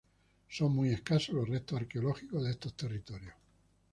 Son muy escasos los restos arqueológicos de estos territorios.